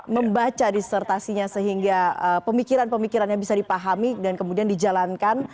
membaca disertasinya sehingga pemikiran pemikirannya bisa dipahami dan kemudian dijalankan